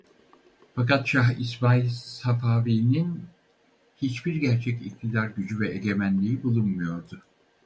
Fakat Şah İsmail Safavi'nin hiçbir gerçek iktidar gücü ve egemenliği bulunmuyordu.